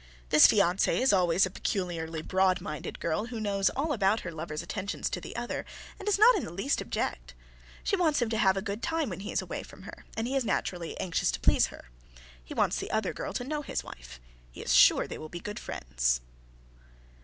This fiancée is always a peculiarly broad minded girl who knows all about her lover's attentions to the other and does not in the least object. She wants him to "have a good time" when he is away from her, and he is naturally anxious to please her. He wants the other girl to know his wife he is sure they will be good friends.